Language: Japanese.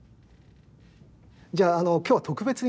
じゃあ今日は特別にですね